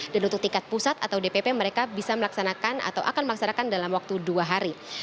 dan untuk tingkat pusat atau dpp mereka bisa melaksanakan atau akan melaksanakan dalam waktu dua hari